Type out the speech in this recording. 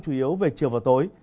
chủ yếu về chiều và tối